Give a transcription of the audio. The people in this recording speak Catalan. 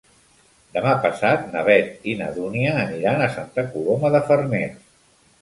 Demà passat na Beth i na Dúnia aniran a Santa Coloma de Farners.